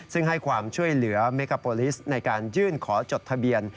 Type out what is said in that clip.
ซึ่งให้ความช่วยเหลือเมกาโปรลิสในการยื่นขอจดทะเบียน